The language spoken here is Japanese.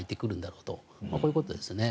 こういうことですね。